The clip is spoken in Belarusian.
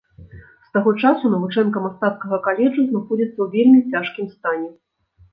З таго часу навучэнка мастацкага каледжу знаходзіцца ў вельмі цяжкім стане.